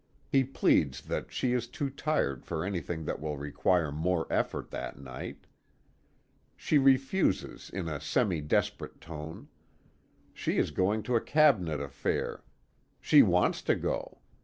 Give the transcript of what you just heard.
He pleads that she is too tired for anything that will require more of effort, that night. She refuses in a semi desperate tone. She is going to a cabinet affair! She wants to go!